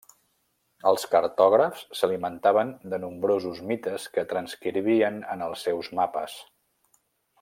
Els cartògrafs s'alimentaven de nombrosos mites que transcrivien en els seus mapes.